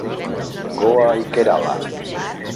Goa i Kerala.